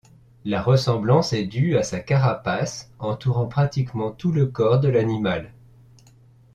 La ressemblance est due à sa carapace entourant pratiquement tout le corps de l'animal.